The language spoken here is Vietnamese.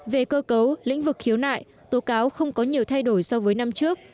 về cơ cấu lĩnh vực khiếu nại tố cáo không có nhiều thay đổi so với năm trước